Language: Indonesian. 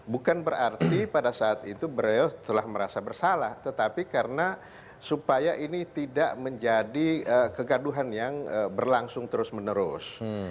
bukan berarti pada saat itu beliau telah merasa bersalah tetapi karena supaya ini tidak menjadi kegaduhan yang berlangsung terus menerus